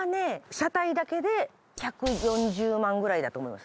車体だけで１４０万ぐらいだと思います。